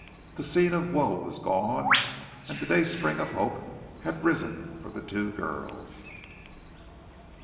The scene of woe was gone, and the dayspring of hope had risen for the two girls.